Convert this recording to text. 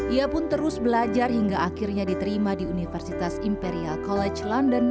ia pun terus belajar hingga akhirnya diterima di universitas imperial college london